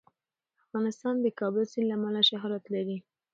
افغانستان د د کابل سیند له امله شهرت لري.